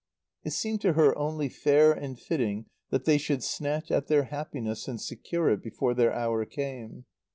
It seemed to her only fair and fitting that they should snatch at their happiness and secure it, before their hour came.